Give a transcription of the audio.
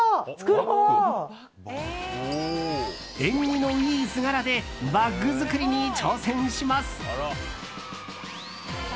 縁起のいい図柄でバッグ作りに挑戦します。